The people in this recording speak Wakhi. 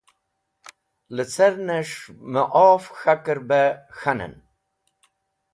Lẽcẽrnes̃h meof k̃hakẽr bẽ k̃hanẽn.